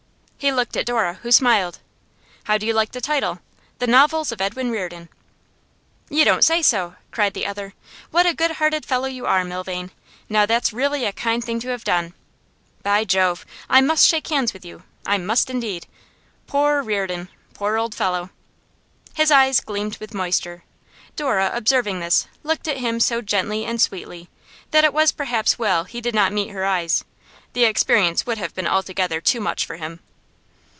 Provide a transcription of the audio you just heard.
He looked at Dora, who smiled. 'How do you like the title? "The Novels of Edwin Reardon!"' 'You don't say so!' cried the other. 'What a good hearted fellow you are, Milvain! Now that's really a kind thing to have done. By Jove! I must shake hands with you; I must indeed! Poor Reardon! Poor old fellow!' His eyes gleamed with moisture. Dora, observing this, looked at him so gently and sweetly that it was perhaps well he did not meet her eyes; the experience would have been altogether too much for him.